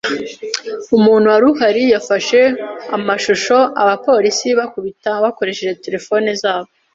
Umuntu wari uhari yafashe amashusho abapolisi bakubita bakoresheje telefoni zabo.